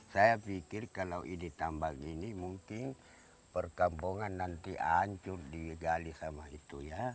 saya pikir kalau ide tambang ini mungkin perkampungan nanti hancur digali sama itu ya